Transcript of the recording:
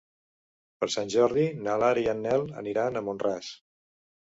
Per Sant Jordi na Lara i en Nel aniran a Mont-ras.